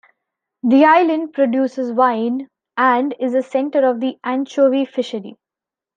The island produces wine, and is a centre of the anchovy fishery.